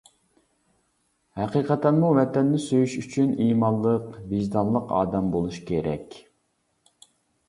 ھەقىقەتەنمۇ ۋەتەننى سۆيۈش ئۈچۈن ئىمانلىق، ۋىجدانلىق ئادەم بولۇش كېرەك.